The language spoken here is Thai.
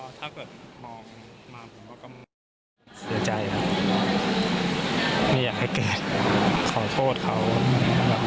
สอดแสดงความเสียใจไม่อยากให้เกิดเหตุการณ์แบบนี้